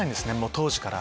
当初から。